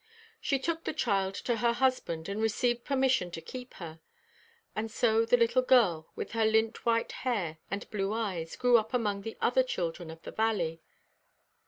She took the child to her husband, and received permission to keep her. And so the little girl, with her lint white hair and blue eyes, grew up among the other children of the valley.